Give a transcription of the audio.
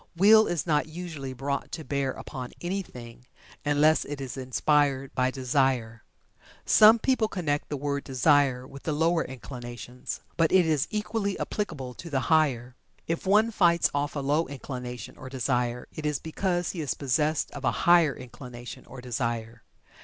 Will is not usually brought to bear upon anything unless it is inspired by Desire. Some people connect the word Desire with the lower inclinations, but it is equally applicable to the higher. If one fights off a low inclination or Desire, it is because he is possessed of a higher inclination or Desire.